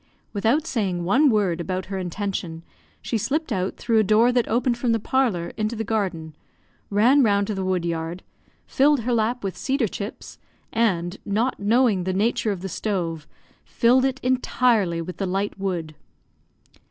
Without saying one word about her intention, she slipped out through a door that opened from the parlour into the garden, ran round to the wood yard, filled her lap with cedar chips, and, not knowing the nature of the stove, filled it entirely with the light wood.